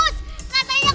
ini ibu bagus